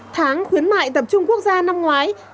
tháng khuyến mại tập trung quốc gia năm ngoái